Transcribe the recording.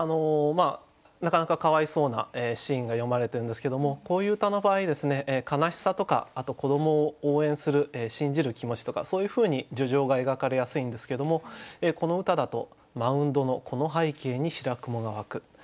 なかなかかわいそうなシーンが詠まれてるんですけどもこういう歌の場合ですね悲しさとかあと子どもを応援する信じる気持ちとかそういうふうに叙情が描かれやすいんですけどもこの歌だと「マウンドの子の背景に白雲が湧く」。